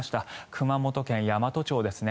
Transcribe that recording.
熊本県山都町ですね。